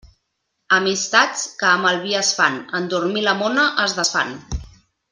Amistats que amb el vi es fan, en dormir la mona es desfan.